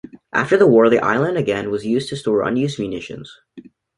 After the war the island again was used to store unused munitions.